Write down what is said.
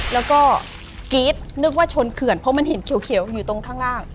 แล้วก็กรี๊ดนึกว่าชนเขื่อนเพราะมันเห็นเขียวอยู่ตรงข้างล่าง